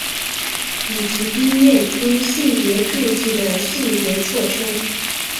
以及医院因性别注记的性别错称。